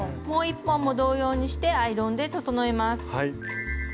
もう一本も同様にしてアイロンで整えます。